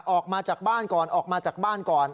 ออกมาจากบ้านก่อนออกมาจากบ้านก่อน